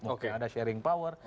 mungkin ada sharing power